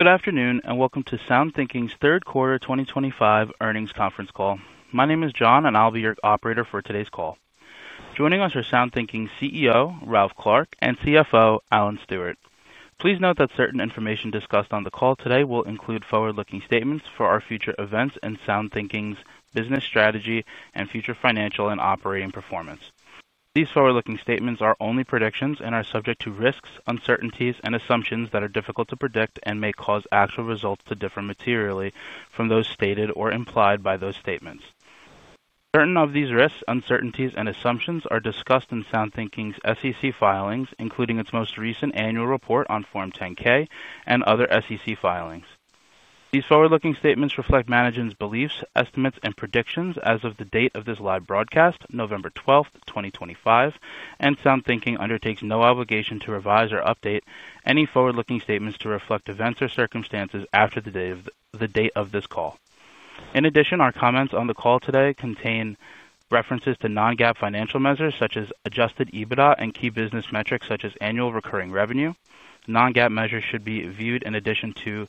Good afternoon and welcome to SoundThinking's third quarter 2025 earnings conference call. My name is John, and I'll be your operator for today's call. Joining us are SoundThinking's CEO, Ralph Clark, and CFO, Alan Stewart. Please note that certain information discussed on the call today will include forward-looking statements for our future events and SoundThinking's business strategy and future financial and operating performance. These forward-looking statements are only predictions and are subject to risks, uncertainties, and assumptions that are difficult to predict and may cause actual results to differ materially from those stated or implied by those statements. Certain of these risks, uncertainties, and assumptions are discussed in SoundThinking's SEC filings, including its most recent annual report on Form 10-K and other SEC filings. These forward-looking statements reflect Management's beliefs, estimates, and predictions as of the date of this live broadcast, November 12th, 2025, and SoundThinking undertakes no obligation to revise or update any forward-looking statements to reflect events or circumstances after the date of this call. In addition, our comments on the call today contain references to non-GAAP financial measures such as adjusted EBITDA and key business metrics such as annual recurring revenue. Non-GAAP measures should be viewed in addition to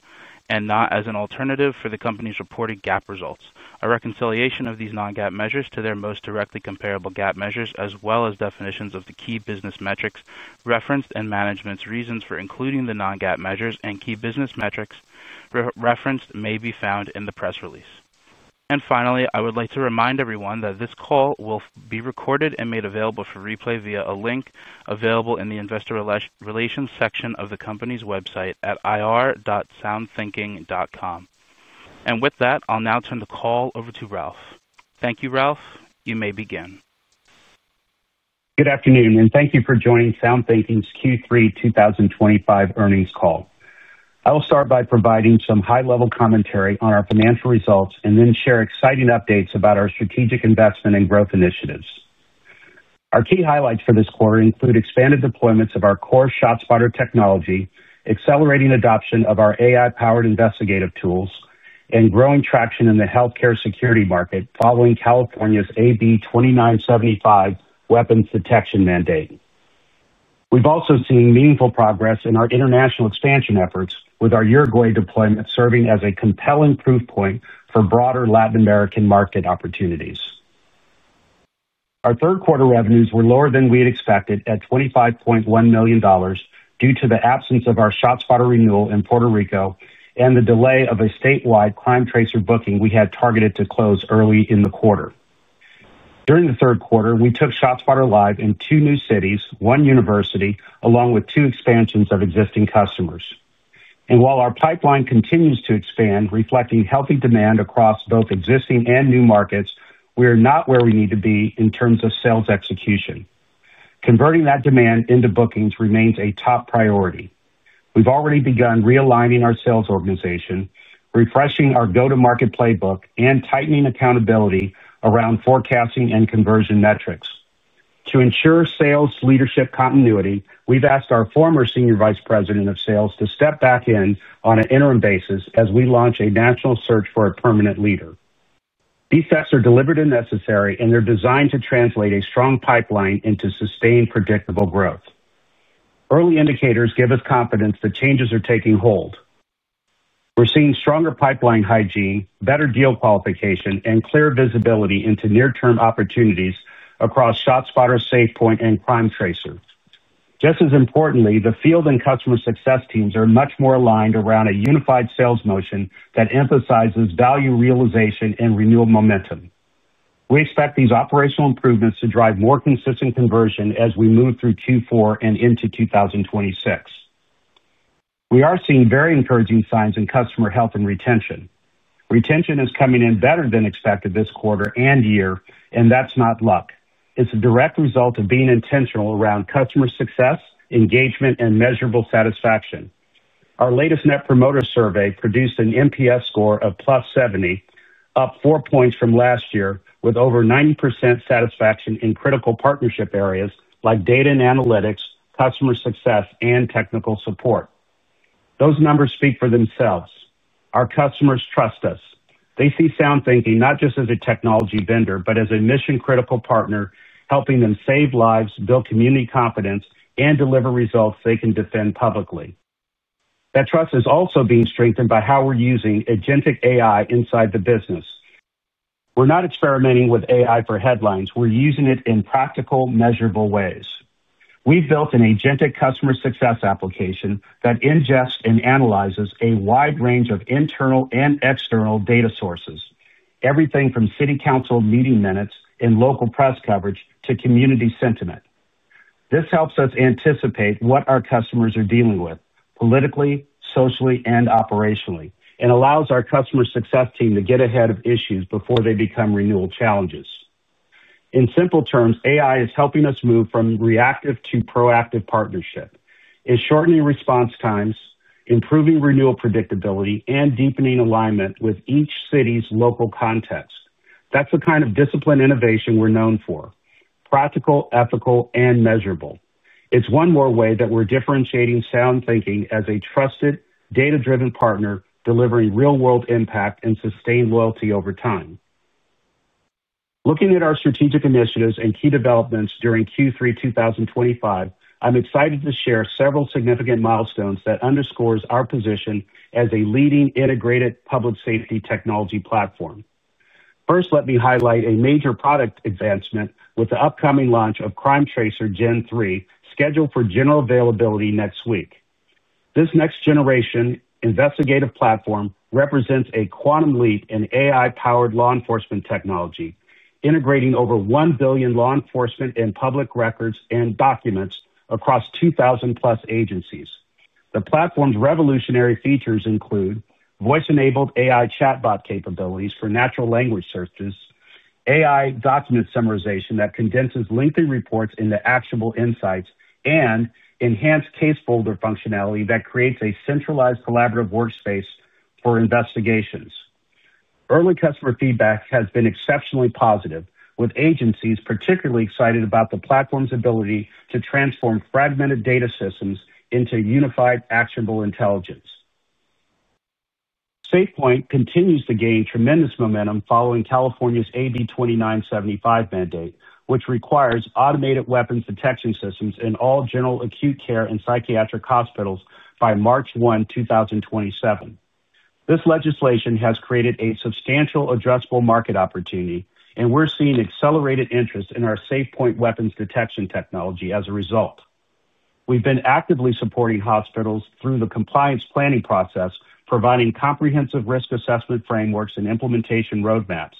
and not as an alternative for the company's reported GAAP results. A reconciliation of these non-GAAP measures to their most directly comparable GAAP measures, as well as definitions of the key business metrics referenced and Management's reasons for including the non-GAAP measures and key business metrics referenced, may be found in the press release. Finally, I would like to remind everyone that this call will be recorded and made available for replay via a link available in the investor relations section of the company's website at ir.soundthinking.com. With that, I'll now turn the call over to Ralph. Thank you, Ralph. You may begin. Good afternoon, and thank you for joining SoundThinking's Q3 2025 Earnings Call. I will start by providing some high-level commentary on our financial results and then share exciting updates about our strategic investment and growth initiatives. Our key highlights for this quarter include expanded deployments of our core ShotSpotter technology, accelerating adoption of our AI-powered investigative tools, and growing traction in the healthcare security market following California's AB 2975 weapons detection mandate. We have also seen meaningful progress in our international expansion efforts, with our Uruguay deployment serving as a compelling proof point for broader Latin American market opportunities. Our third quarter revenues were lower than we had expected at $25.1 million due to the absence of our ShotSpotter renewal in Puerto Rico and the delay of a statewide Crime Tracer booking we had targeted to close early in the quarter. During the third quarter, we took ShotSpotter live in two new cities, one university, along with two expansions of existing customers. While our pipeline continues to expand, reflecting healthy demand across both existing and new markets, we are not where we need to be in terms of sales execution. Converting that demand into bookings remains a top priority. We have already begun realigning our sales organization, refreshing our go-to-market playbook, and tightening accountability around forecasting and conversion metrics. To ensure sales leadership continuity, we have asked our former Senior Vice President of Sales to step back in on an interim basis as we launch a national search for a permanent leader. These steps are deliberate and necessary, and they are designed to translate a strong pipeline into sustained predictable growth. Early indicators give us confidence that changes are taking hold. We're seeing stronger pipeline hygiene, better deal qualification, and clear visibility into near-term opportunities across ShotSpotter, SafePoint, and Crime Tracer. Just as importantly, the field and customer success teams are much more aligned around a unified sales motion that emphasizes value realization and renewal momentum. We expect these operational improvements to drive more consistent conversion as we move through Q4 and into 2026. We are seeing very encouraging signs in customer health and retention. Retention is coming in better than expected this quarter and year, and that's not luck. It's a direct result of being intentional around customer success, engagement, and measurable satisfaction. Our latest net promoter survey produced an NPS score of +70, up four points from last year, with over 90% satisfaction in critical partnership areas like data and analytics, customer success, and technical support. Those numbers speak for themselves. Our customers trust us. They see SoundThinking not just as a technology vendor, but as a mission-critical partner helping them save lives, build community confidence, and deliver results they can defend publicly. That trust is also being strengthened by how we're using agentic AI inside the business. We're not experimenting with AI for headlines. We're using it in practical, measurable ways. We've built an agentic customer success application that ingests and analyzes a wide range of internal and external data sources, everything from city council meeting minutes and local press coverage to community sentiment. This helps us anticipate what our customers are dealing with politically, socially, and operationally, and allows our customer success team to get ahead of issues before they become renewal challenges. In simple terms, AI is helping us move from reactive to proactive partnership. It's shortening response times, improving renewal predictability, and deepening alignment with each city's local context. That's the kind of discipline innovation we're known for: practical, ethical, and measurable. It's one more way that we're differentiating SoundThinking as a trusted, data-driven partner delivering real-world impact and sustained loyalty over time. Looking at our strategic initiatives and key developments during Q3 2025, I'm excited to share several significant milestones that underscore our position as a leading integrated public safety technology platform. First, let me highlight a major product advancement with the upcoming launch of Crime Tracer Gen 3, scheduled for general availability next week. This next-generation investigative platform represents a quantum leap in AI-powered law enforcement technology, integrating over 1 billion law enforcement and public records and documents across 2,000+ agencies. The platform's revolutionary features include voice-enabled AI chatbot capabilities for natural language searches, AI document summarization that condenses lengthy reports into actionable insights, and enhanced case folder functionality that creates a centralized collaborative workspace for investigations. Early customer feedback has been exceptionally positive, with agencies particularly excited about the platform's ability to transform fragmented data systems into unified actionable intelligence. SafePoint continues to gain tremendous momentum following California's AB 2975 mandate, which requires automated weapons detection systems in all general acute care and psychiatric hospitals by March 1, 2027. This legislation has created a substantial addressable market opportunity, and we're seeing accelerated interest in our SafePoint weapons detection technology as a result. We've been actively supporting hospitals through the compliance planning process, providing comprehensive risk assessment frameworks and implementation roadmaps.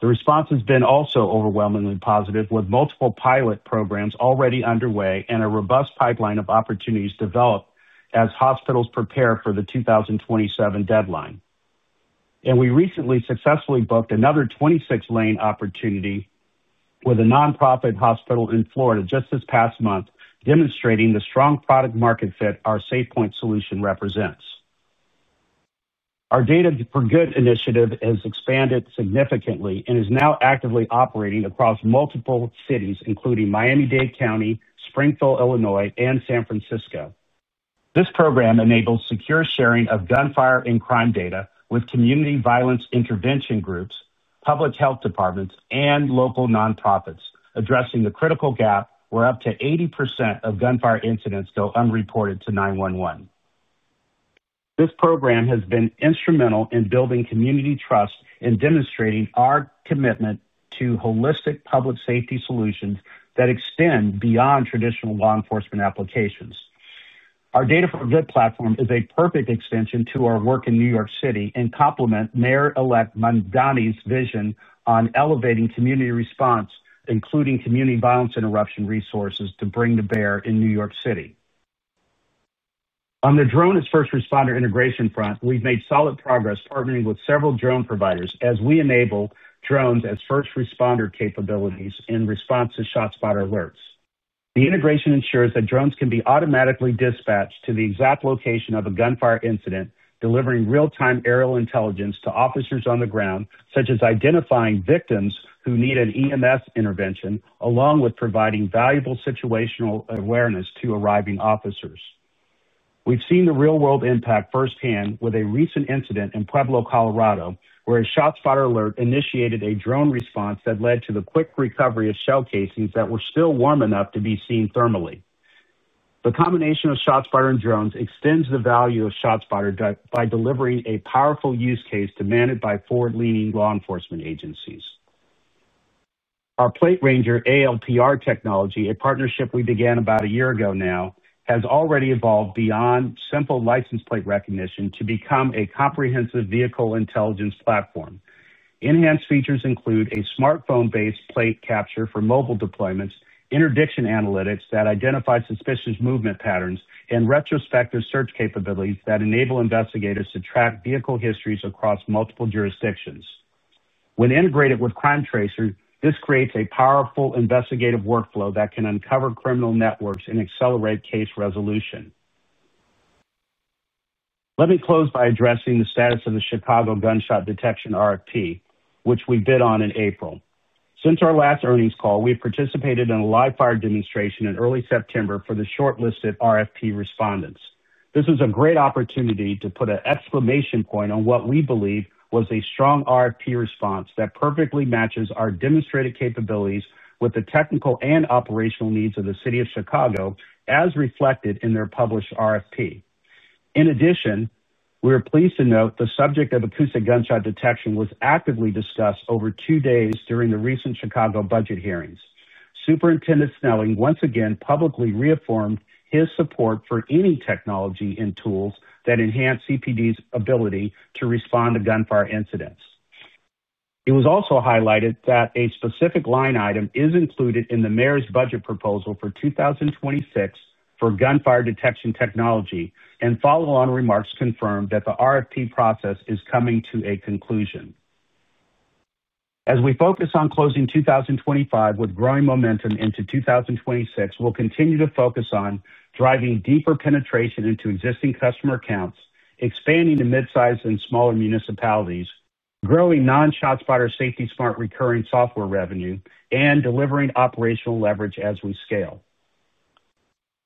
The response has been also overwhelmingly positive, with multiple pilot programs already underway and a robust pipeline of opportunities developed as hospitals prepare for the 2027 deadline. We recently successfully booked another 26-lane opportunity with a nonprofit hospital in Florida just this past month, demonstrating the strong product-market fit our SafePoint solution represents. Our Data for Good initiative has expanded significantly and is now actively operating across multiple cities, including Miami-Dade County, Springfield, Illinois, and San Francisco. This program enables secure sharing of gunfire and crime data with community violence intervention groups, public health departments, and local nonprofits, addressing the critical gap where up to 80% of gunfire incidents go unreported to 911. This program has been instrumental in building community trust and demonstrating our commitment to holistic public safety solutions that extend beyond traditional law enforcement applications. Our Data for Good platform is a perfect extension to our work in New York City and complements Mayor-elect Mondoni's vision on elevating community response, including community violence interruption resources to bring to bear in New York City. On the drone as first responder integration front, we've made solid progress partnering with several drone providers as we enable drones as first responder capabilities in response to ShotSpotter alerts. The integration ensures that drones can be automatically dispatched to the exact location of a gunfire incident, delivering real-time aerial intelligence to officers on the ground, such as identifying victims who need an EMS intervention, along with providing valuable situational awareness to arriving officers. We've seen the real-world impact firsthand with a recent incident in Pueblo, Colorado, where a ShotSpotter alert initiated a drone response that led to the quick recovery of shell casings that were still warm enough to be seen thermally. The combination of ShotSpotter and drones extends the value of ShotSpotter by delivering a powerful use case demanded by forward-leaning law enforcement agencies. Our Plate Ranger ALPR technology, a partnership we began about a year ago now, has already evolved beyond simple license plate recognition to become a comprehensive vehicle intelligence platform. Enhanced features include a smartphone-based plate capture for mobile deployments, interdiction analytics that identify suspicious movement patterns, and retrospective search capabilities that enable investigators to track vehicle histories across multiple jurisdictions. When integrated with Crime Tracer, this creates a powerful investigative workflow that can uncover criminal networks and accelerate case resolution. Let me close by addressing the status of the Chicago Gunshot Detection RFP, which we bid on in April. Since our last earnings call, we've participated in a live fire demonstration in early September for the shortlisted RFP respondents. This is a great opportunity to put an exclamation point on what we believe was a strong RFP response that perfectly matches our demonstrated capabilities with the technical and operational needs of the city of Chicago, as reflected in their published RFP. In addition, we are pleased to note the subject of acoustic gunshot detection was actively discussed over two days during the recent Chicago budget hearings. Superintendent Snelling once again publicly reaffirmed his support for any technology and tools that enhance CPD's ability to respond to gunfire incidents. It was also highlighted that a specific line item is included in the mayor's budget proposal for 2026 for gunfire detection technology, and follow-on remarks confirmed that the RFP process is coming to a conclusion. As we focus on closing 2025 with growing momentum into 2026, we'll continue to focus on driving deeper penetration into existing customer accounts, expanding to mid-sized and smaller municipalities, growing non-ShotSpotter Safety Smart recurring software revenue, and delivering operational leverage as we scale.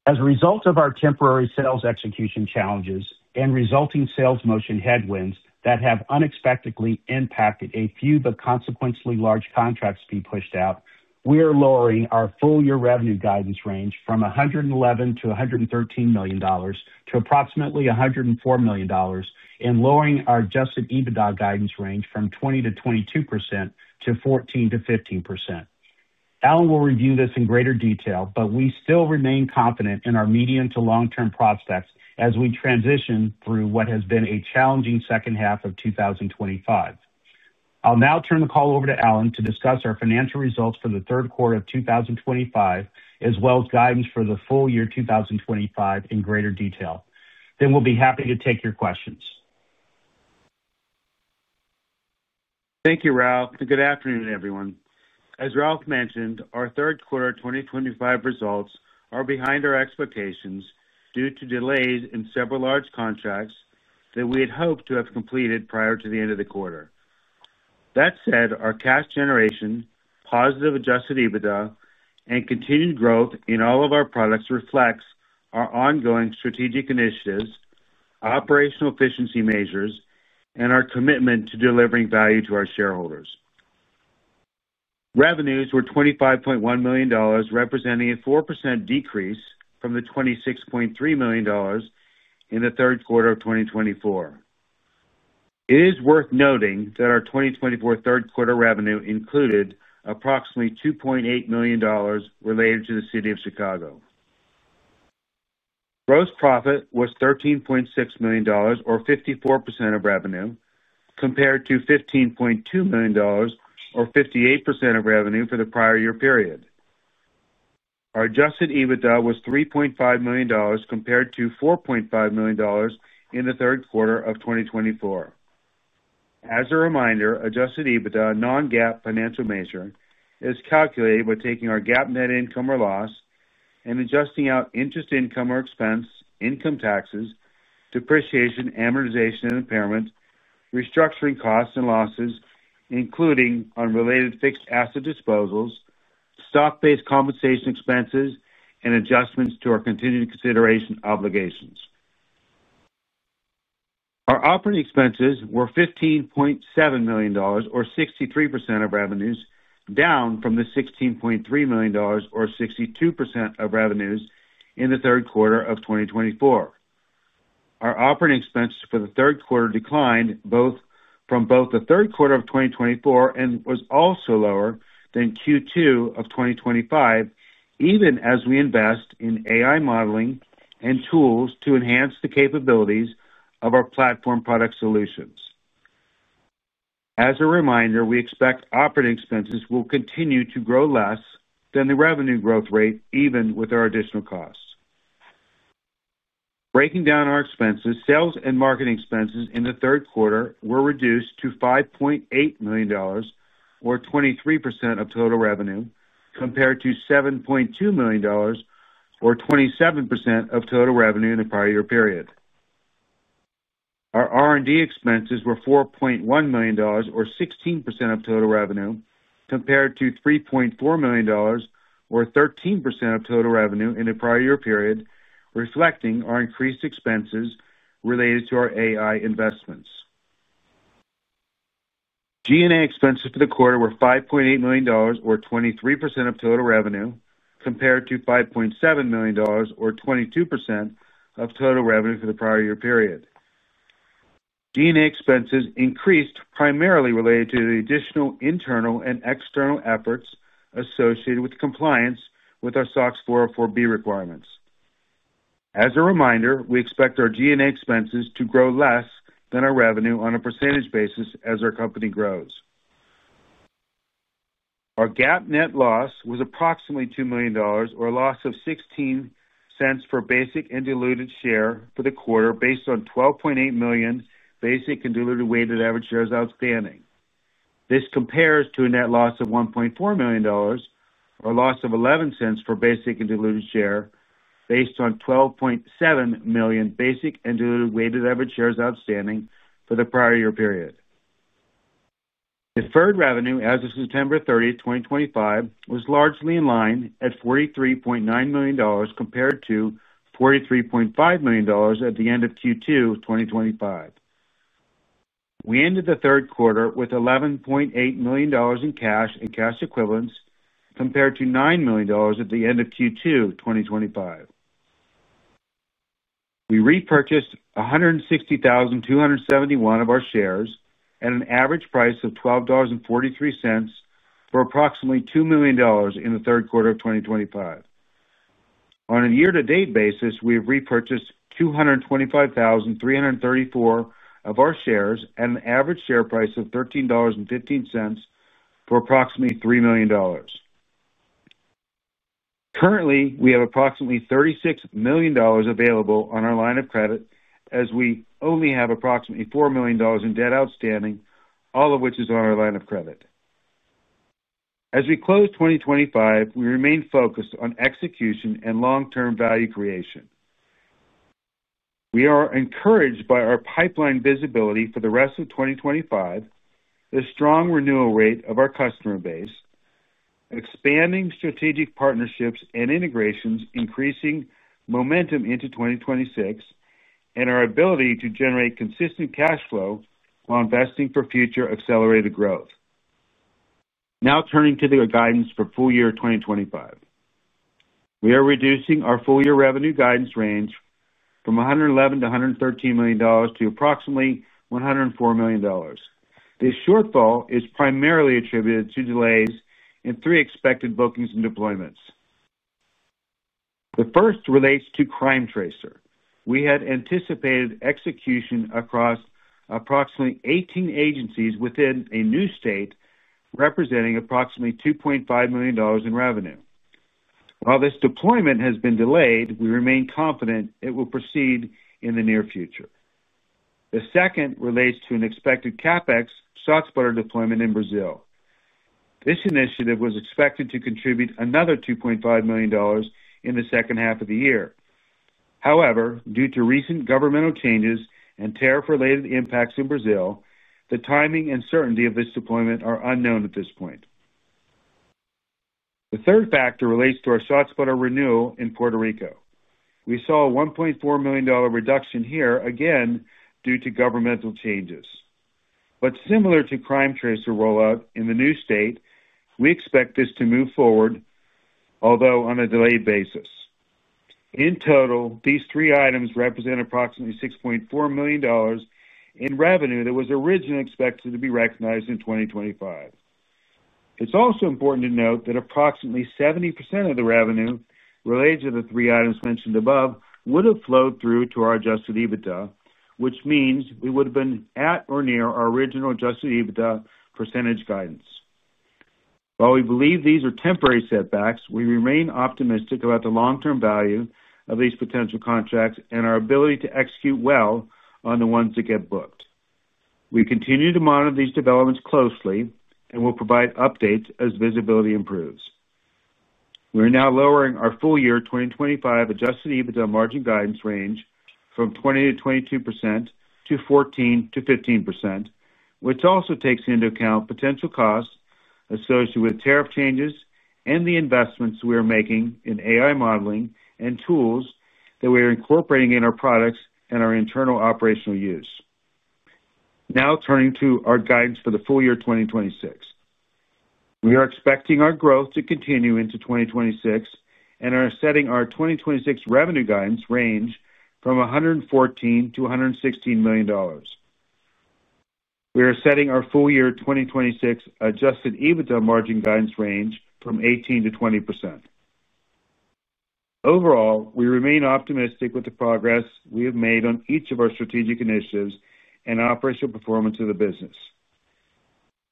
As a result of our temporary sales execution challenges and resulting sales motion headwinds that have unexpectedly impacted a few but consequentially large contracts being pushed out, we are lowering our full year revenue guidance range from $111 million-$113 million to approximately $104 million, and lowering our adjusted EBITDA guidance range from 20%-22% to 14%-15%. Alan will review this in greater detail, but we still remain confident in our medium to long-term prospects as we transition through what has been a challenging second half of 2025. I'll now turn the call over to Alan to discuss our financial results for the third quarter of 2025, as well as guidance for the full year 2025 in greater detail. Then we'll be happy to take your questions. Thank you, Ralph. Good afternoon, everyone. As Ralph mentioned, our third quarter 2025 results are behind our expectations due to delays in several large contracts that we had hoped to have completed prior to the end of the quarter. That said, our cash generation, positive adjusted EBITDA, and continued growth in all of our products reflects our ongoing strategic initiatives, operational efficiency measures, and our commitment to delivering value to our shareholders. Revenues were $25.1 million, representing a 4% decrease from the $26.3 million in the third quarter of 2024. It is worth noting that our 2024 third quarter revenue included approximately $2.8 million related to the city of Chicago. Gross profit was $13.6 million, or 54% of revenue, compared to $15.2 million, or 58% of revenue for the prior year period. Our adjusted EBITDA was $3.5 million, compared to $4.5 million in the third quarter of 2024. As a reminder, adjusted EBITDA, a non-GAAP financial measure, is calculated by taking our GAAP net income or loss and adjusting out interest income or expense, income taxes, depreciation, amortization, and impairment, restructuring costs and losses, including unrelated fixed asset disposals, stock-based compensation expenses, and adjustments to our continued consideration obligations. Our operating expenses were $15.7 million, or 63% of revenues, down from the $16.3 million, or 62% of revenues, in the third quarter of 2024. Our operating expenses for the third quarter declined from both the third quarter of 2024 and was also lower than Q2 of 2025, even as we invest in AI modeling and tools to enhance the capabilities of our platform product solutions. As a reminder, we expect operating expenses will continue to grow less than the revenue growth rate, even with our additional costs. Breaking down our expenses, sales and marketing expenses in the third quarter were reduced to $5.8 million, or 23% of total revenue, compared to $7.2 million, or 27% of total revenue in the prior year period. Our R&D expenses were $4.1 million, or 16% of total revenue, compared to $3.4 million, or 13% of total revenue in the prior year period, reflecting our increased expenses related to our AI investments. G&A expenses for the quarter were $5.8 million, or 23% of total revenue, compared to $5.7 million, or 22% of total revenue for the prior year period. G&A expenses increased primarily related to the additional internal and external efforts associated with compliance with our SOX 404B requirements. As a reminder, we expect our G&A expenses to grow less than our revenue on a percentage basis as our company grows. Our GAAP net loss was approximately $2 million, or a loss of $0.16 for basic and diluted share for the quarter, based on 12.8 million basic and diluted weighted average shares outstanding. This compares to a net loss of $1.4 million, or a loss of $0.11 for basic and diluted share, based on 12.7 million basic and diluted weighted average shares outstanding for the prior year period. Deferred revenue, as of September 30, 2025, was largely in line at $43.9 million, compared to $43.5 million at the end of Q2 2025. We ended the third quarter with $11.8 million in cash and cash equivalents, compared to $9 million at the end of Q2 2025. We repurchased 160,271 of our shares at an average price of $12.43 for approximately $2 million in the third quarter of 2025. On a year-to-date basis, we have repurchased 225,334 of our shares at an average share price of $13.15 for approximately $3 million. Currently, we have approximately $36 million available on our line of credit, as we only have approximately $4 million in debt outstanding, all of which is on our line of credit. As we close 2025, we remain focused on execution and long-term value creation. We are encouraged by our pipeline visibility for the rest of 2025, the strong renewal rate of our customer base, expanding strategic partnerships and integrations, increasing momentum into 2026, and our ability to generate consistent cash flow while investing for future accelerated growth. Now turning to the guidance for full year 2025, we are reducing our full year revenue guidance range from $111 million-$113 million to approximately $104 million. This shortfall is primarily attributed to delays in three expected bookings and deployments. The first relates to Crime Tracer. We had anticipated execution across approximately 18 agencies within a new state, representing approximately $2.5 million in revenue. While this deployment has been delayed, we remain confident it will proceed in the near future. The second relates to an expected CapEx ShotSpotter deployment in Brazil. This initiative was expected to contribute another $2.5 million in the second half of the year. However, due to recent governmental changes and tariff-related impacts in Brazil, the timing and certainty of this deployment are unknown at this point. The third factor relates to our ShotSpotter renewal in Puerto Rico. We saw a $1.4 million reduction here, again due to governmental changes. Similar to Crime Tracer rollout in the new state, we expect this to move forward, although on a delayed basis. In total, these three items represent approximately $6.4 million in revenue that was originally expected to be recognized in 2025. It's also important to note that approximately 70% of the revenue related to the three items mentioned above would have flowed through to our adjusted EBITDA, which means we would have been at or near our original adjusted EBITDA percentage guidance. While we believe these are temporary setbacks, we remain optimistic about the long-term value of these potential contracts and our ability to execute well on the ones that get booked. We continue to monitor these developments closely and will provide updates as visibility improves. We are now lowering our full year 2025 adjusted EBITDA margin guidance range from 20%-22% to 14%-15%, which also takes into account potential costs associated with tariff changes and the investments we are making in AI modeling and tools that we are incorporating in our products and our internal operational use. Now turning to our guidance for the full year 2026. We are expecting our growth to continue into 2026 and are setting our 2026 revenue guidance range from $114 million-$116 million. We are setting our full year 2026 adjusted EBITDA margin guidance range from 18%-20%. Overall, we remain optimistic with the progress we have made on each of our strategic initiatives and operational performance of the business.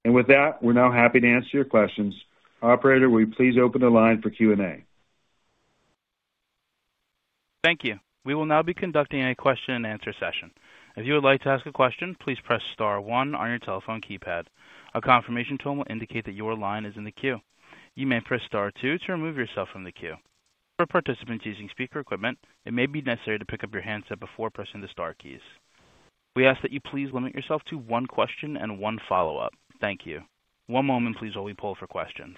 With that, we're now happy to answer your questions. Operator, will you please open the line for Q&A? Thank you. We will now be conducting a question-and-answer session. If you would like to ask a question, please press star one on your telephone keypad. A confirmation tone will indicate that your line is in the queue. You may press Star 2 to remove yourself from the queue. For participants using speaker equipment, it may be necessary to pick up your handset before pressing the star keys. We ask that you please limit yourself to one question and one follow-up. Thank you. One moment, please, while we pull for questions.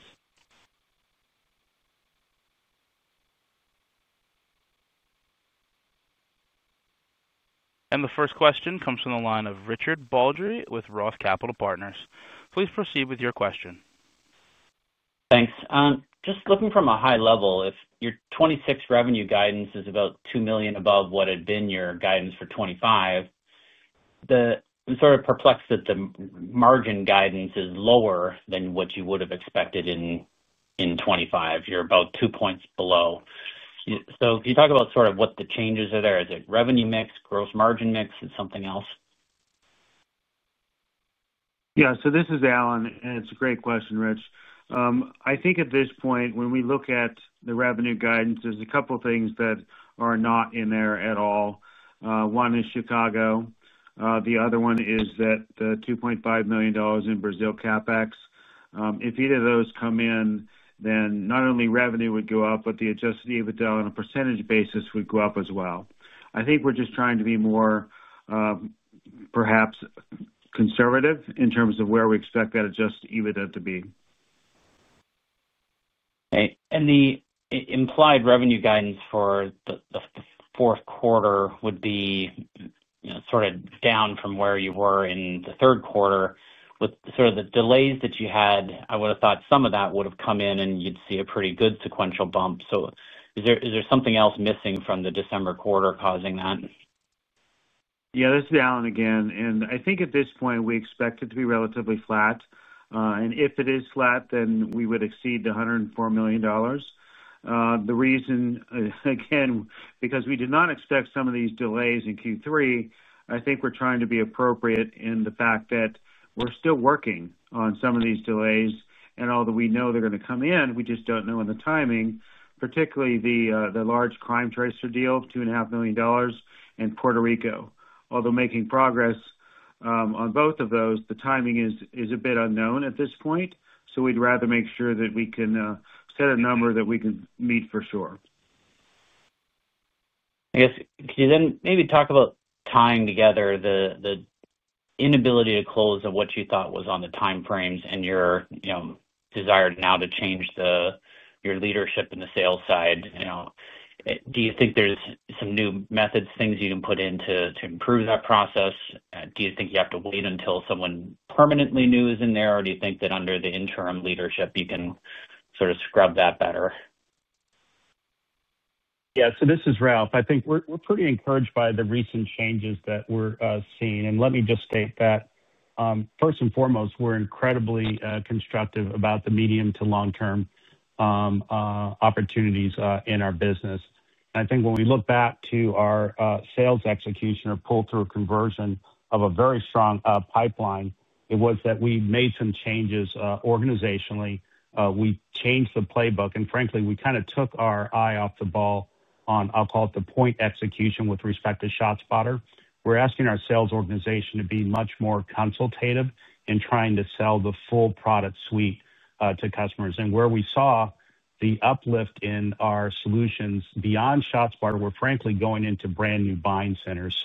The first question comes from the line of Richard Baldry with Roth Capital Partners. Please proceed with your question. Thanks. Just looking from a high level, if your 2026 revenue guidance is about $2 million above what had been your guidance for 2025, I'm sort of perplexed that the margin guidance is lower than what you would have expected in 2025. You're about two points below. Can you talk about sort of what the changes are there? Is it revenue mix? Gross margin mix? Is it something else? Yeah. This is Alan, and it's a great question, Rich. I think at this point, when we look at the revenue guidance, there's a couple of things that are not in there at all. One is Chicago. The other one is that the $2.5 million in Brazil CapEx, if either of those come in, then not only revenue would go up, but the adjusted EBITDA on a percentage basis would go up as well. I think we're just trying to be more, perhaps, conservative in terms of where we expect that adjusted EBITDA to be. Okay. The implied revenue guidance for the fourth quarter would be sort of down from where you were in the third quarter. With sort of the delays that you had, I would have thought some of that would have come in, and you'd see a pretty good sequential bump. Is there something else missing from the December quarter causing that? Yeah. This is Alan again. I think at this point, we expect it to be relatively flat. If it is flat, then we would exceed the $104 million. The reason, again, because we did not expect some of these delays in Q3, I think we're trying to be appropriate in the fact that we're still working on some of these delays, and although we know they're going to come in, we just do not know when the timing, particularly the large Crime Tracer deal of $2.5 million and Puerto Rico. Although making progress on both of those, the timing is a bit unknown at this point. We would rather make sure that we can set a number that we can meet for sure. I guess, can you then maybe talk about tying together the inability to close of what you thought was on the timeframes and your desire now to change your leadership in the sales side? Do you think there are some new methods, things you can put in to improve that process? Do you think you have to wait until someone permanently new is in there, or do you think that under the interim leadership, you can sort of scrub that better? Yeah. This is Ralph. I think we're pretty encouraged by the recent changes that we're seeing. Let me just state that, first and foremost, we're incredibly constructive about the medium to long-term opportunities in our business. I think when we look back to our sales execution or pull-through conversion of a very strong pipeline, it was that we made some changes organizationally. We changed the playbook, and frankly, we kind of took our eye off the ball on, I'll call it the point execution with respect to ShotSpotter. We're asking our sales organization to be much more consultative in trying to sell the full product suite to customers. Where we saw the uplift in our solutions beyond ShotSpotter, we're frankly going into brand new buying centers.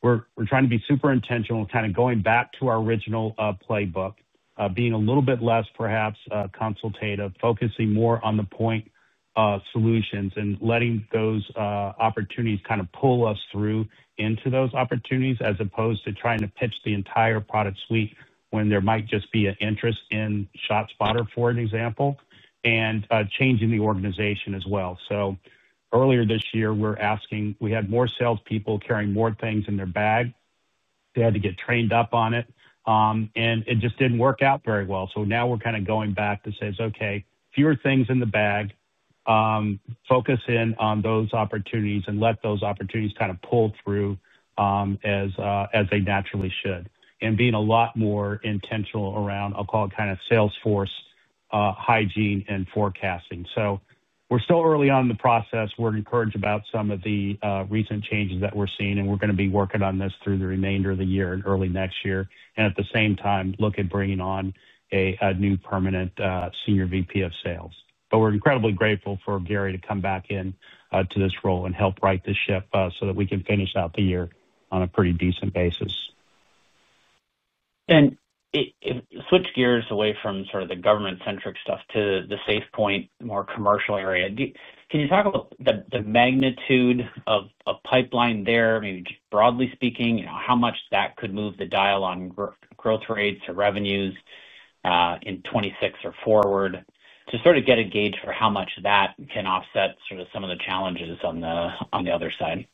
We're trying to be super intentional, kind of going back to our original playbook, being a little bit less, perhaps, consultative, focusing more on the point solutions and letting those opportunities kind of pull us through into those opportunities as opposed to trying to pitch the entire product suite when there might just be an interest in ShotSpotter, for an example, and changing the organization as well. Earlier this year, we had more salespeople carrying more things in their bag. They had to get trained up on it, and it just did not work out very well. Now we're kind of going back to say, "Okay, fewer things in the bag, focus in on those opportunities and let those opportunities kind of pull through as they naturally should," and being a lot more intentional around, I'll call it kind of salesforce hygiene and forecasting. We're still early on in the process. We're encouraged about some of the recent changes that we're seeing, and we're going to be working on this through the remainder of the year and early next year. At the same time, look at bringing on a new permanent Senior VP of Sales. We're incredibly grateful for Gary to come back into this role and help right the ship so that we can finish out the year on a pretty decent basis. Switch gears away from sort of the government-centric stuff to the SafePoint, more commercial area. Can you talk about the magnitude of a pipeline there, maybe just broadly speaking, how much that could move the dial on growth rates or revenues in 2026 or forward to sort of get a gauge for how much that can offset sort of some of the challenges on the other side?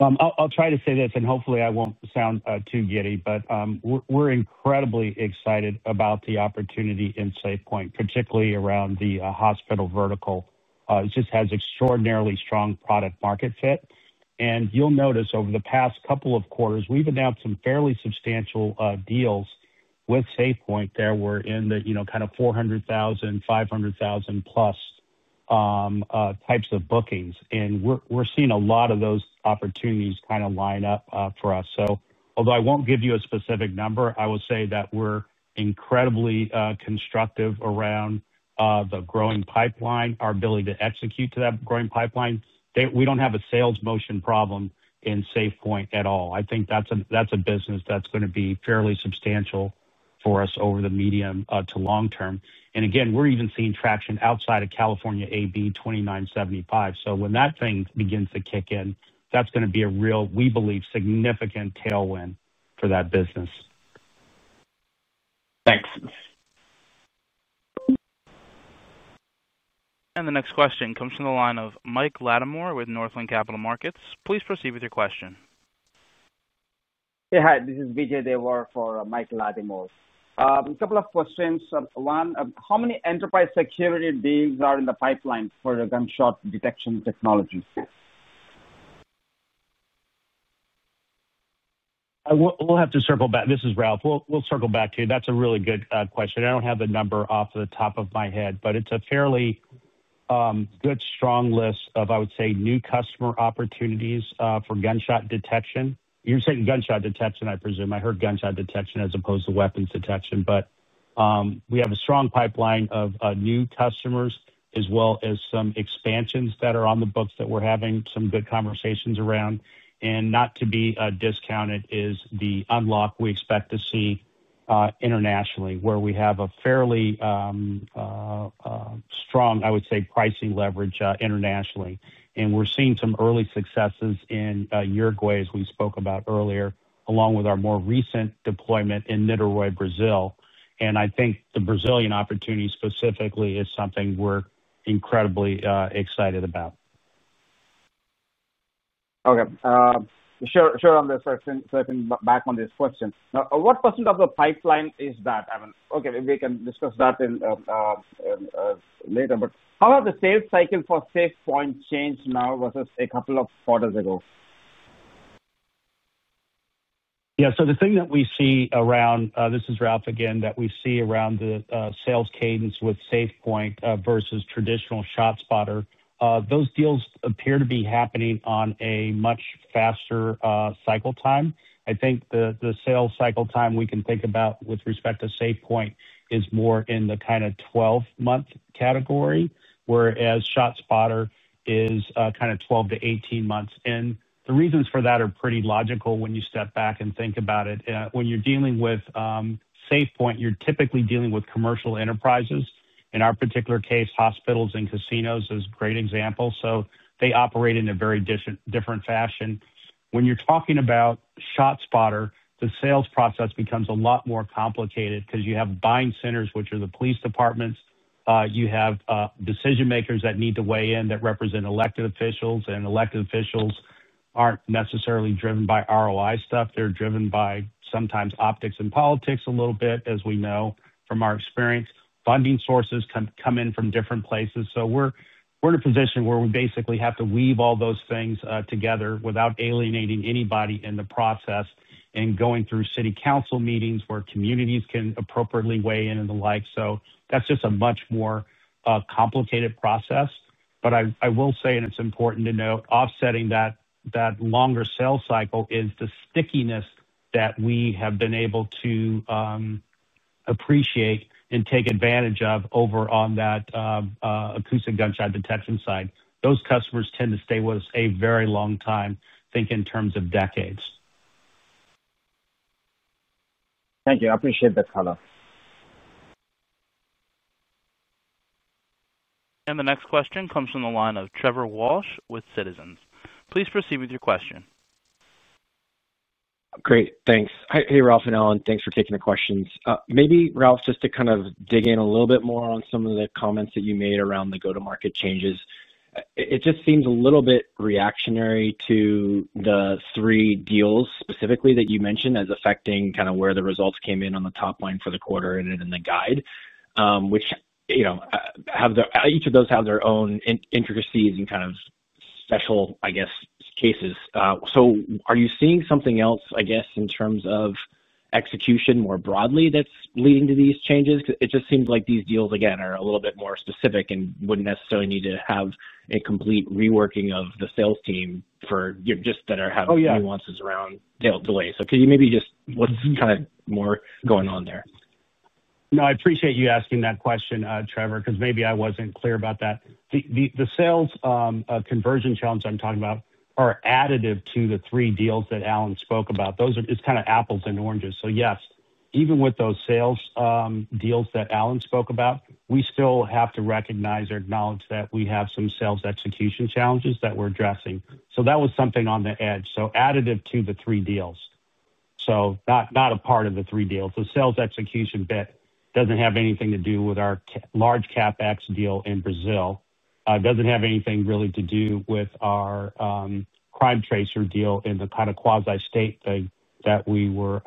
I'll try to say this, and hopefully, I won't sound too giddy, but we're incredibly excited about the opportunity in SafePoint, particularly around the hospital vertical. It just has extraordinarily strong product-market fit. And you'll notice over the past couple of quarters, we've announced some fairly substantial deals with SafePoint that were in the kind of $400,000, $500,000+ types of bookings. And we're seeing a lot of those opportunities kind of line up for us. Although I won't give you a specific number, I will say that we're incredibly constructive around the growing pipeline, our ability to execute to that growing pipeline. We don't have a sales motion problem in SafePoint at all. I think that's a business that's going to be fairly substantial for us over the medium to long term. Again, we're even seeing traction outside of California AB 2975. When that thing begins to kick in, that's going to be a real, we believe, significant tailwind for that business. Thanks. The next question comes from the line of Vijay Devar with Northland Capital Markets. Please proceed with your question. Hey, hi. This is Vijay Devar for Mike Lattimore. A couple of questions. One, how many enterprise security deals are in the pipeline for the gunshot detection technology? We'll have to circle back. This is Ralph. We'll circle back to you. That's a really good question. I don't have the number off the top of my head, but it's a fairly good, strong list of, I would say, new customer opportunities for gunshot detection. You're saying gunshot detection, I presume. I heard gunshot detection as opposed to weapons detection. We have a strong pipeline of new customers as well as some expansions that are on the books that we're having some good conversations around. Not to be discounted is the unlock we expect to see internationally, where we have a fairly strong, I would say, pricing leverage internationally. We're seeing some early successes in Uruguay, as we spoke about earlier, along with our more recent deployment in Niterói, Brazil. I think the Brazilian opportunity specifically is something we're incredibly excited about. Okay. Short on the second, so I can back on this question. What percentage of the pipeline is that? Okay, maybe we can discuss that later. How has the sales cycle for SafePoint changed now versus a couple of quarters ago? Yeah. The thing that we see around, this is Ralph again, that we see around the sales cadence with SafePoint versus traditional ShotSpotter, those deals appear to be happening on a much faster cycle time. I think the sales cycle time we can think about with respect to SafePoint is more in the kind of 12-month category, whereas ShotSpotter is kind of 12 months-18 months. The reasons for that are pretty logical when you step back and think about it. When you're dealing with SafePoint, you're typically dealing with commercial enterprises. In our particular case, hospitals and casinos is a great example. They operate in a very different fashion. When you're talking about ShotSpotter, the sales process becomes a lot more complicated because you have buying centers, which are the police departments. You have decision-makers that need to weigh in that represent elected officials. And elected officials aren't necessarily driven by ROI stuff. They're driven by sometimes optics and politics a little bit, as we know from our experience. Funding sources come in from different places. We basically have to weave all those things together without alienating anybody in the process and going through city council meetings where communities can appropriately weigh in and the like. That's just a much more complicated process. I will say, and it's important to note, offsetting that longer sales cycle is the stickiness that we have been able to appreciate and take advantage of over on that acoustic gunshot detection side. Those customers tend to stay with us a very long time, think in terms of decades. Thank you. I appreciate the color. The next question comes from the line of Trevor Walsh with Citizens. Please proceed with your question. Great. Thanks. Hey, Ralph and Alan. Thanks for taking the questions. Maybe, Ralph, just to kind of dig in a little bit more on some of the comments that you made around the go-to-market changes. It just seems a little bit reactionary to the three deals specifically that you mentioned as affecting kind of where the results came in on the top line for the quarter and in the guide, which each of those have their own intricacies and kind of special, I guess, cases. Are you seeing something else, I guess, in terms of execution more broadly that's leading to these changes? It just seems like these deals, again, are a little bit more specific and would not necessarily need to have a complete reworking of the sales team for just that are having nuances around delays. Could you maybe just what's kind of more going on there? No, I appreciate you asking that question, Trevor, because maybe I was not clear about that. The sales conversion challenge I am talking about are additive to the three deals that Alan spoke about. Those are just kind of apples and oranges. Yes, even with those sales deals that Alan spoke about, we still have to recognize or acknowledge that we have some sales execution challenges that we're addressing. That was something on the edge, so additive to the three deals. Not a part of the three deals. The sales execution bit does not have anything to do with our large CapEx deal in Brazil. It does not have anything really to do with our Crime Tracer deal in the kind of quasi-state thing that we were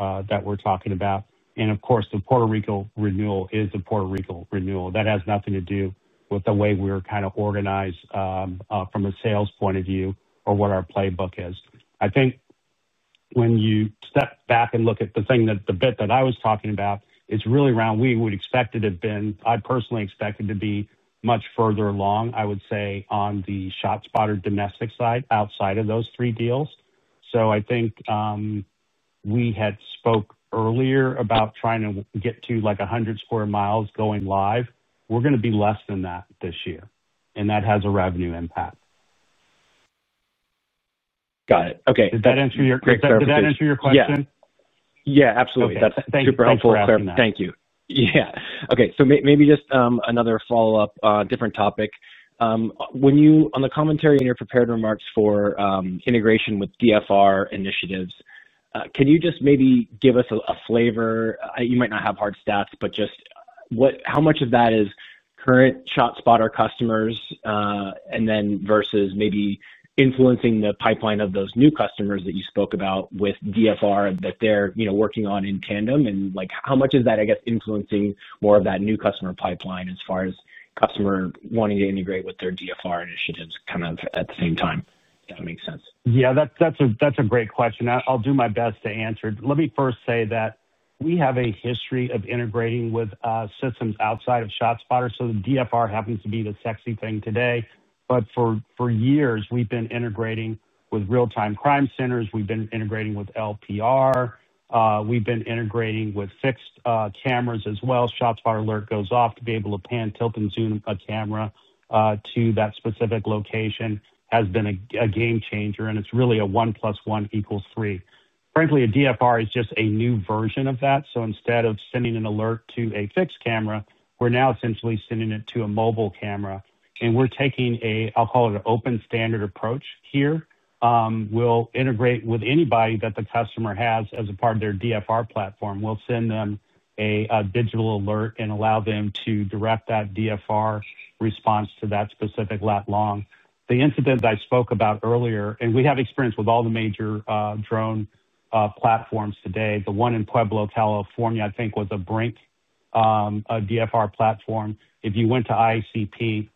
talking about. Of course, the Puerto Rico renewal is the Puerto Rico renewal. That has nothing to do with the way we're kind of organized from a sales point of view or what our playbook is. I think when you step back and look at the bit that I was talking about, it's really around we would expect it to have been, I personally expected to be much further along, I would say, on the ShotSpotter domestic side outside of those three deals. I think we had spoke earlier about trying to get to like 100 sq mi going live. We're going to be less than that this year, and that has a revenue impact. Got it. Okay. Does that answer your question? Yeah. Absolutely. That's super helpful, Trevor. Thank you. Yeah. Okay. Maybe just another follow-up, different topic. On the commentary in your prepared remarks for integration with DFR initiatives, can you just maybe give us a flavor? You might not have hard stats, but just how much of that is current ShotSpotter customers versus maybe influencing the pipeline of those new customers that you spoke about with DFR that they're working on in tandem? And how much is that, I guess, influencing more of that new customer pipeline as far as customers wanting to integrate with their DFR initiatives kind of at the same time? If that makes sense. Yeah. That's a great question. I'll do my best to answer. Let me first say that we have a history of integrating with systems outside of ShotSpotter. The DFR happens to be the sexy thing today. For years, we've been integrating with real-time crime centers. We've been integrating with LPR. We've been integrating with fixed cameras as well. ShotSpotter alert goes off to be able to pan, tilt, and zoom a camera to that specific location has been a game changer, and it's really a one plus one equals three. Frankly, a DFR is just a new version of that. Instead of sending an alert to a fixed camera, we're now essentially sending it to a mobile camera. We're taking a, I'll call it an open standard approach here. We'll integrate with anybody that the customer has as a part of their DFR platform. We'll send them a digital alert and allow them to direct that DFR response to that specific Lat-Long. The incident I spoke about earlier, and we have experience with all the major drone platforms today. The one in Pueblo, California, I think, was a Brinc DFR platform. If you went to IACP,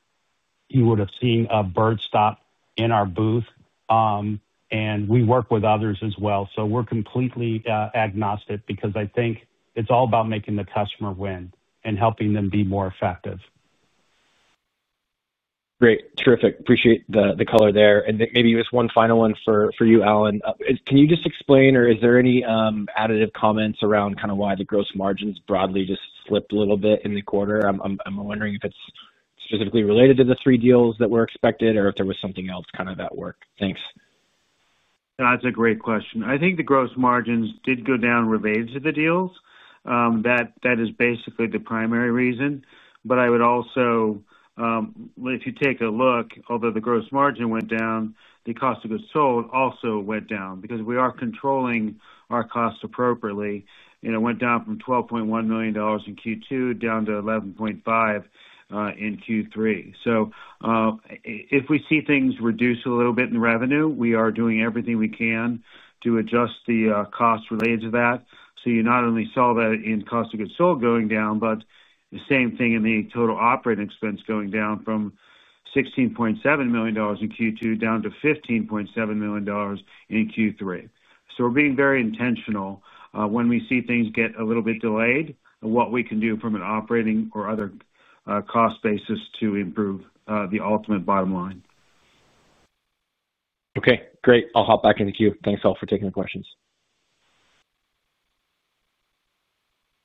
you would have seen a bird stop in our booth. We work with others as well. We are completely agnostic because I think it is all about making the customer win and helping them be more effective. Great. Terrific. Appreciate the color there. Maybe just one final one for you, Alan. Can you just explain, or is there any additive comments around kind of why the gross margins broadly just slipped a little bit in the quarter? I am wondering if it is specifically related to the three deals that were expected or if there was something else kind of at work. Thanks. That is a great question. I think the gross margins did go down related to the deals. That is basically the primary reason. I would also, if you take a look, although the gross margin went down, the cost of goods sold also went down because we are controlling our cost appropriately. It went down from $12.1 million in Q2 down to $11.5 million in Q3. If we see things reduce a little bit in revenue, we are doing everything we can to adjust the cost related to that. You not only saw that in cost of goods sold going down, but the same thing in the total operating expense going down from $16.7 million in Q2 down to $15.7 million in Q3. We are being very intentional. When we see things get a little bit delayed, what we can do from an operating or other cost basis to improve the ultimate bottom line. Okay. Great. I'll hop back in the queue. Thanks, all for taking the questions.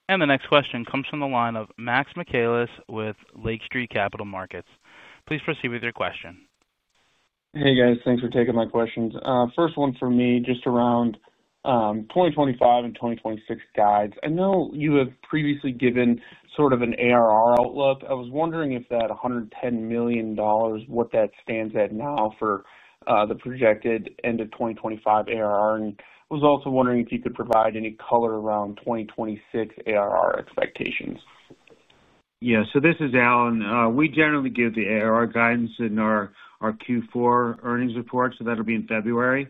The next question comes from the line of Maxwell Machaelis with Lake Street Capital Markets. Please proceed with your question. Hey, guys. Thanks for taking my questions. First one for me just around 2025 and 2026 guides. I know you have previously given sort of an ARR outlook. I was wondering if that $110 million, what that stands at now for the projected end of 2025 ARR. I was also wondering if you could provide any color around 2026 ARR expectations. Yeah. This is Alan. We generally give the ARR guidance in our Q4 earnings report. That will be in February.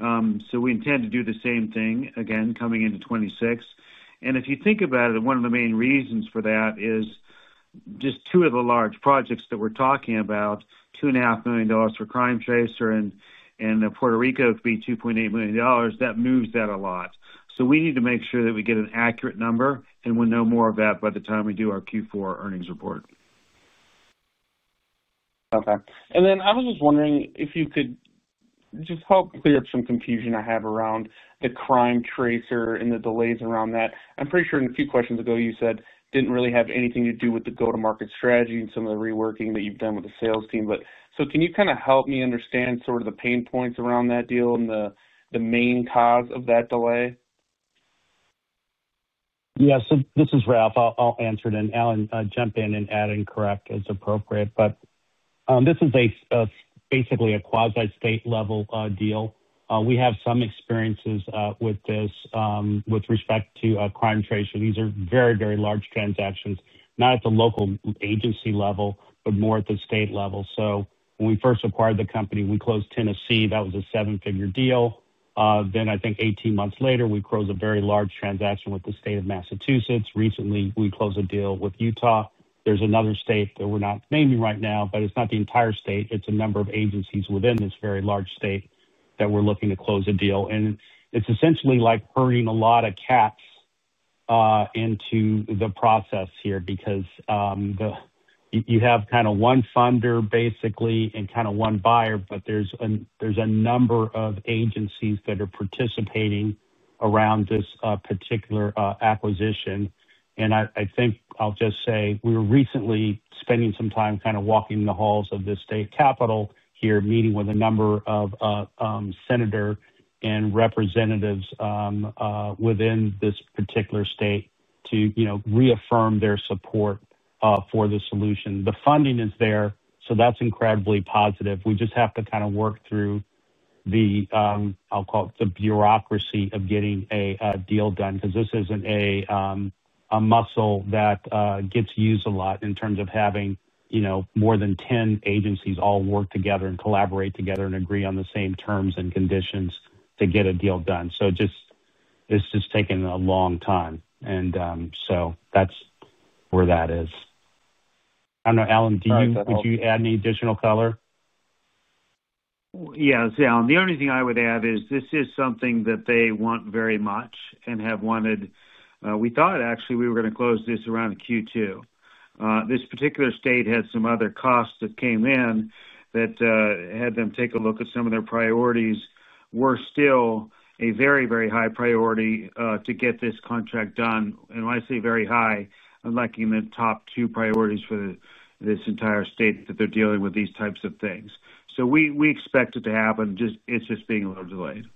We intend to do the same thing again coming into 2026. If you think about it, one of the main reasons for that is just two of the large projects that we're talking about, $2.5 million for Crime Tracer and Puerto Rico would be $2.8 million. That moves that a lot. We need to make sure that we get an accurate number, and we'll know more of that by the time we do our Q4 earnings report. Okay. I was just wondering if you could just help clear up some confusion I have around the Crime Tracer and the delays around that. I'm pretty sure in a few questions ago, you said didn't really have anything to do with the go-to-market strategy and some of the reworking that you've done with the sales team. Can you kind of help me understand sort of the pain points around that deal and the main cause of that delay? Yeah. This is Ralph. I'll answer it. Alan, jump in and add and correct as appropriate. This is basically a quasi-state level deal. We have some experiences with this with respect to Crime Tracer. These are very, very large transactions, not at the local agency level, but more at the state level. When we first acquired the company, we closed Tennessee. That was a seven-figure deal. I think 18 months later, we closed a very large transaction with the state of Massachusetts. Recently, we closed a deal with Utah. There's another state that we're not naming right now, but it's not the entire state. It's a number of agencies within this very large state that we're looking to close a deal. It's essentially like herding a lot of cats into the process here because you have kind of one funder basically and kind of one buyer, but there's a number of agencies that are participating around this particular acquisition. I think I'll just say we were recently spending some time kind of walking the halls of the state capital here, meeting with a number of senators and representatives within this particular state to reaffirm their support for the solution. The funding is there, so that's incredibly positive. We just have to kind of work through the, I'll call it the bureaucracy of getting a deal done because this isn't a muscle that gets used a lot in terms of having more than 10 agencies all work together and collaborate together and agree on the same terms and conditions to get a deal done. It has just taken a long time. That is where that is. I do not know. Alan, would you add any additional color? Yeah. The only thing I would add is this is something that they want very much and have wanted. We thought, actually, we were going to close this around Q2. This particular state had some other costs that came in that had them take a look at some of their priorities. We are still a very, very high priority to get this contract done. When I say very high, I am looking at top two priorities for this entire state that they are dealing with these types of things. We expect it to happen. It is just being a little delayed.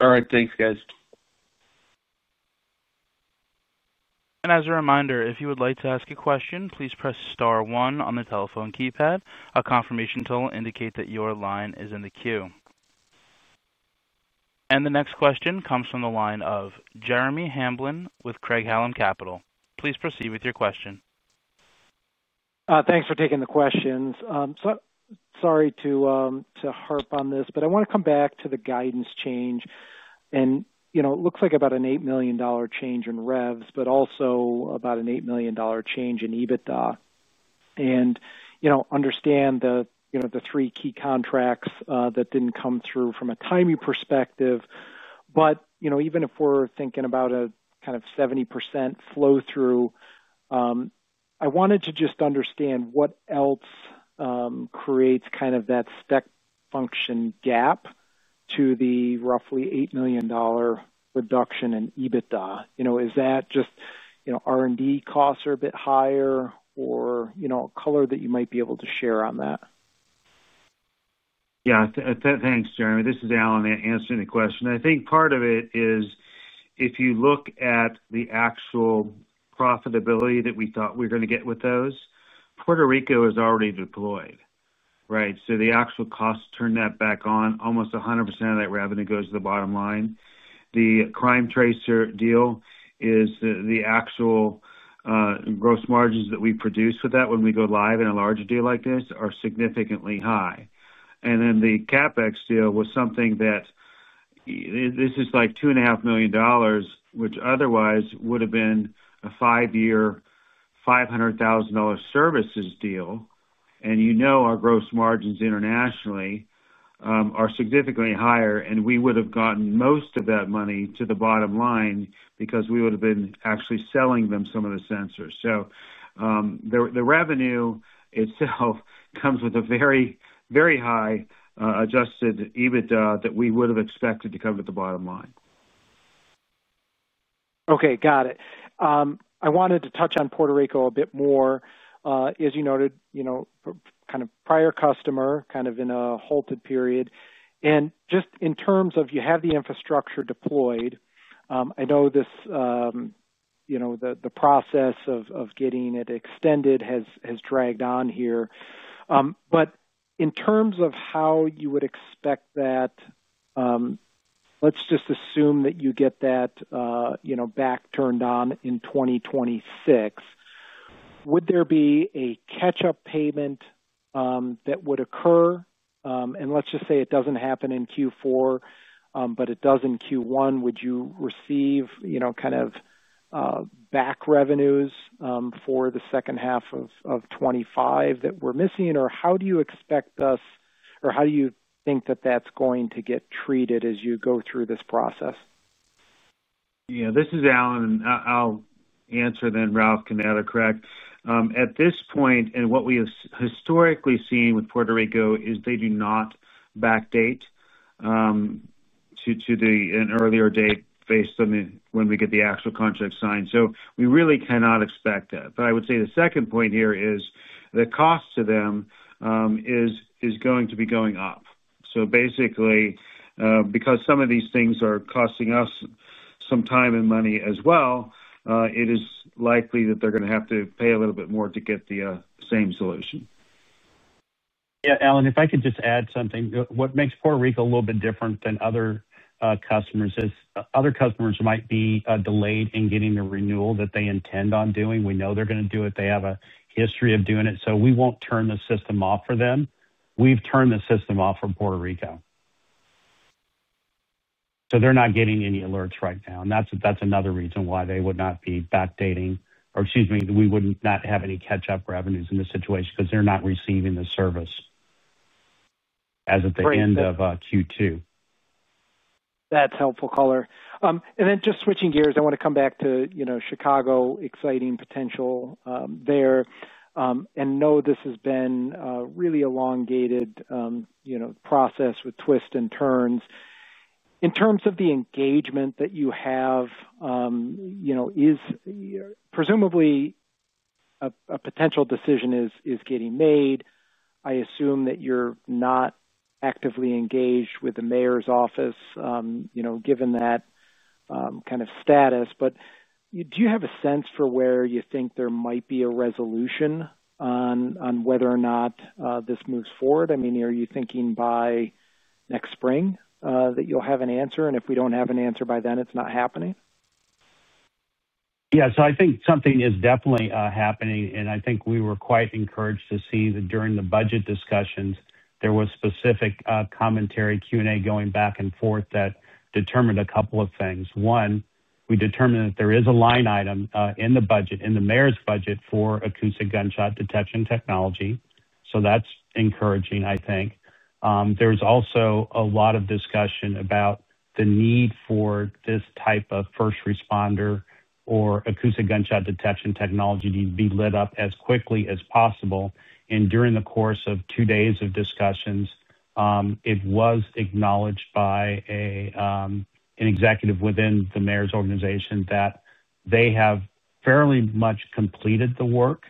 All right. Thanks, guys. As a reminder, if you would like to ask a question, please press star one on the telephone keypad. A confirmation to indicate that your line is in the queue. The next question comes from the line of Jeremy Hamblin with Craig-Hallum Capital. Please proceed with your question. Thanks for taking the questions. Sorry to harp on this, but I want to come back to the guidance change. It looks like about an $8 million change in revs, but also about an $8 million change in EBITDA. I understand the three key contracts that did not come through from a timing perspective. Even if we are thinking about a kind of 70% flow-through, I wanted to just understand what else creates that spec function gap to the roughly $8 million reduction in EBITDA. Is that just R&D costs are a bit higher or a color that you might be able to share on that? Yeah. Thanks, Jeremy. This is Alan answering the question. I think part of it is if you look at the actual profitability that we thought we were going to get with those, Puerto Rico is already deployed, right? The actual costs turn that back on. Almost 100% of that revenue goes to the bottom line. The Crime Tracer deal is the actual gross margins that we produce with that when we go live in a larger deal like this are significantly high. The CapEx deal was something that this is like $2.5 million, which otherwise would have been a five-year $500,000 services deal. You know our gross margins internationally are significantly higher, and we would have gotten most of that money to the bottom line because we would have been actually selling them some of the sensors. The revenue itself comes with a very, very high adjusted EBITDA that we would have expected to come to the bottom line. Okay. Got it. I wanted to touch on Puerto Rico a bit more. As you noted, kind of prior customer, kind of in a halted period. Just in terms of you have the infrastructure deployed, I know the process of getting it extended has dragged on here. In terms of how you would expect that, let's just assume that you get that back turned on in 2026, would there be a catch-up payment that would occur? Let's just say it does not happen in Q4, but it does in Q1. Would you receive kind of back revenues for the second half of 2025 that we are missing? How do you expect us, or how do you think that that's going to get treated as you go through this process? Yeah. This is Alan. I'll answer then Ralph can add or correct. At this point, and what we have historically seen with Puerto Rico is they do not backdate to an earlier date based on when we get the actual contract signed. We really cannot expect that. I would say the second point here is the cost to them is going to be going up. Basically, because some of these things are costing us some time and money as well, it is likely that they're going to have to pay a little bit more to get the same solution. Yeah. Alan, if I could just add something. What makes Puerto Rico a little bit different than other customers is other customers might be delayed in getting the renewal that they intend on doing. We know they're going to do it. They have a history of doing it. We won't turn the system off for them. We've turned the system off for Puerto Rico. They're not getting any alerts right now. That's another reason why they would not be backdating, or excuse me, we would not have any catch-up revenues in this situation because they're not receiving the service as at the end of Q2. That's helpful color. Just switching gears, I want to come back to Chicago, exciting potential there. I know this has been a really elongated process with twists and turns. In terms of the engagement that you have, presumably a potential decision is getting made. I assume that you're not actively engaged with the mayor's office given that kind of status. But do you have a sense for where you think there might be a resolution on whether or not this moves forward? I mean, are you thinking by next spring that you'll have an answer? And if we don't have an answer by then, it's not happening? Yeah. I think something is definitely happening. I think we were quite encouraged to see that during the budget discussions, there was specific commentary, Q&A going back and forth that determined a couple of things. One, we determined that there is a line item in the budget, in the mayor's budget for acoustic gunshot detection technology. That's encouraging, I think there is also a lot of discussion about the need for this type of first responder or acoustic gunshot detection technology to be lit up as quickly as possible. During the course of two days of discussions, it was acknowledged by an executive within the mayor's organization that they have fairly much completed the work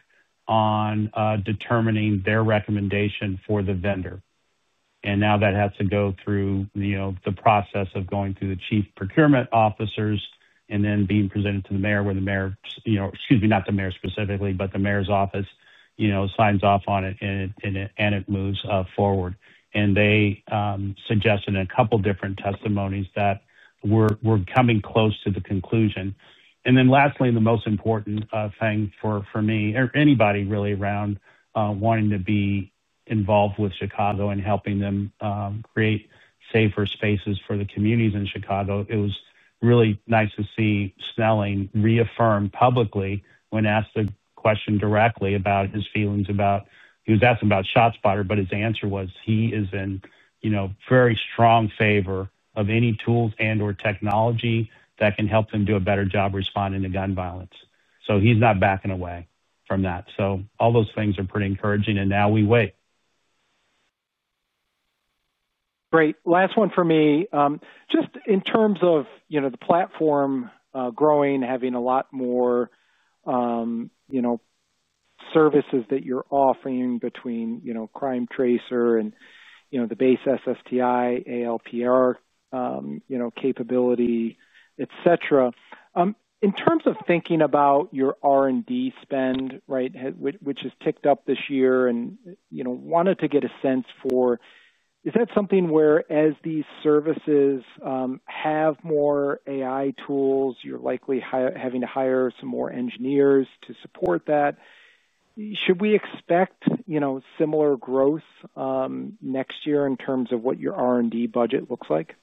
on determining their recommendation for the vendor. Now that has to go through the process of going through the chief procurement officers and then being presented to the mayor, where the mayor, excuse me, not the mayor specifically, but the mayor's office signs off on it and it moves forward. They suggested in a couple of different testimonies that we are coming close to the conclusion. Lastly, the most important thing for me or anybody really around wanting to be involved with Chicago and helping them create safer spaces for the communities in Chicago, it was really nice to see Superintendent Snelling reaffirm publicly when asked the question directly about his feelings about, he was asked about ShotSpotter, but his answer was he is in very strong favor of any tools and/or technology that can help them do a better job responding to gun violence. He is not backing away from that. All those things are pretty encouraging. Now we wait. Great. Last one for me. Just in terms of the platform growing, having a lot more services that you are offering between Crime Tracer and the base SSTI, ALPR capability, etc. In terms of thinking about your R&D spend, right, which has ticked up this year and wanted to get a sense for, is that something where as these services have more AI tools, you're likely having to hire some more engineers to support that? Should we expect similar growth next year in terms of what your R&D budget looks like?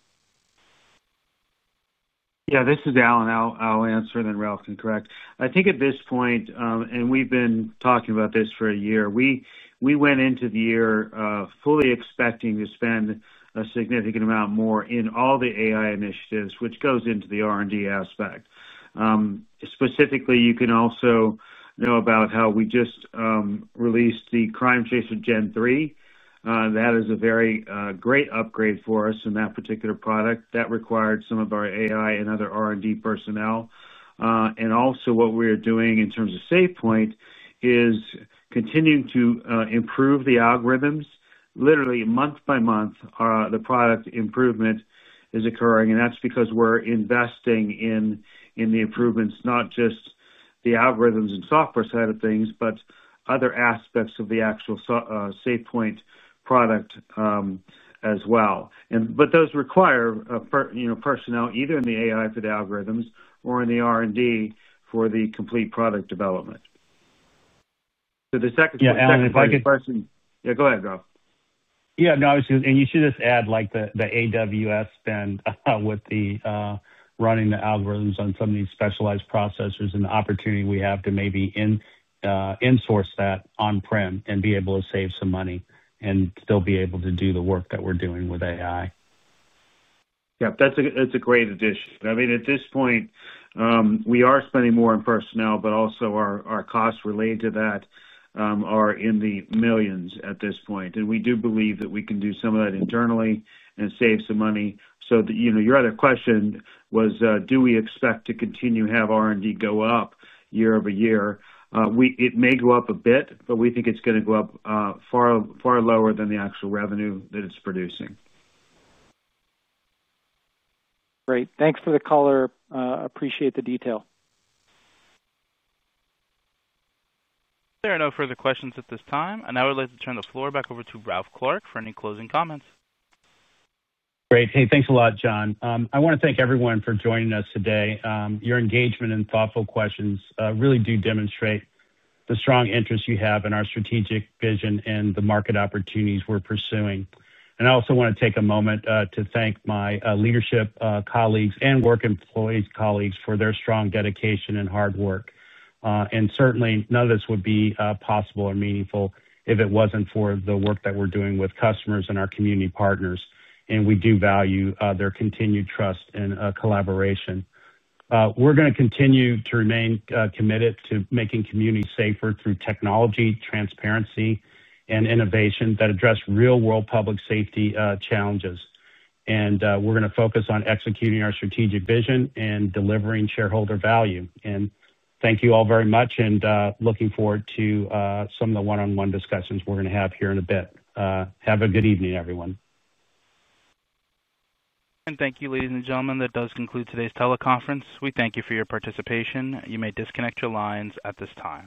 Yeah. This is Alan. I'll answer and then Ralph can correct. I think at this point, and we've been talking about this for a year, we went into the year fully expecting to spend a significant amount more in all the AI initiatives, which goes into the R&D aspect. Specifically, you can also know about how we just released the Crime Tracer Gen 3. That is a very great upgrade for us in that particular product. That required some of our AI and other R&D personnel. What we are doing in terms of SafePoint is continuing to improve the algorithms. Literally, month by month, the product improvement is occurring. That is because we are investing in the improvements, not just the algorithms and software side of things, but other aspects of the actual SafePoint product as well. Those require personnel either in the AI for the algorithms or in the R&D for the complete product development. The second question. Yeah. If I could. Yeah. Go ahead, Ralph. Yeah. No. You should just add the AWS spend with running the algorithms on some of these specialized processors and the opportunity we have to maybe insource that on-prem and be able to save some money and still be able to do the work that we are doing with AI. Yeah. That is a great addition. I mean, at this point, we are spending more on personnel, but also our costs related to that are in the millions at this point. We do believe that we can do some of that internally and save some money. Your other question was, do we expect to continue to have R&D go up year-over-year? It may go up a bit, but we think it's going to go up far lower than the actual revenue that it's producing. Great. Thanks for the color. Appreciate the detail. There are no further questions at this time. I would like to turn the floor back over to Ralph Clark for any closing comments. Great. Hey, thanks a lot, John. I want to thank everyone for joining us today. Your engagement and thoughtful questions really do demonstrate the strong interest you have in our strategic vision and the market opportunities we're pursuing. I also want to take a moment to thank my leadership colleagues and work employees colleagues for their strong dedication and hard work. Certainly, none of this would be possible or meaningful if it wasn't for the work that we're doing with customers and our community partners. We do value their continued trust and collaboration. We're going to continue to remain committed to making communities safer through technology, transparency, and innovation that address real-world public safety challenges. We're going to focus on executing our strategic vision and delivering shareholder value. Thank you all very much. Looking forward to some of the one-on-one discussions we're going to have here in a bit. Have a good evening, everyone. Thank you, ladies and gentlemen. That does conclude today's teleconference. We thank you for your participation. You may disconnect your lines at this time.